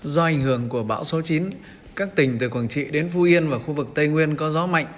do ảnh hưởng của bão số chín các tỉnh từ quảng trị đến phú yên và khu vực tây nguyên có gió mạnh